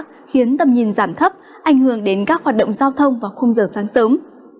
khiến tầm nhìn giảm thấp ảnh hưởng đến các hoạt động giao thông và không giờ sáng sớm